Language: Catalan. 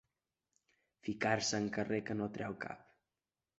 Ficar-se en carrer que no treu cap.